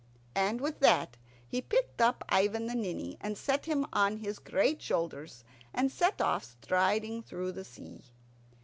And with that he picked up Ivan the Ninny and set him on his great shoulders, and set off striding through the sea.